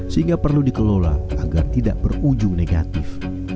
sehingga perlu dikelola agar tidak berujung negatif